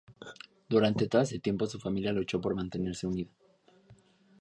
Durante todo ese tiempo su familia luchó por mantenerse unida.